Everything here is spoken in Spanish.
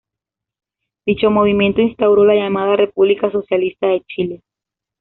Dicho movimiento instauró la llamada República Socialista de Chile.